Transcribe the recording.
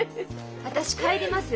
私帰ります。